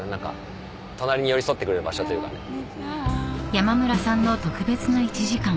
［山村さんの特別な１時間］